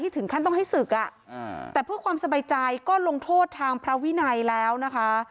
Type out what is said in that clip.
ถึงขั้นต้องให้ศึกแต่เพื่อความสบายใจก็ลงโทษทางพระวินัยแล้วนะคะ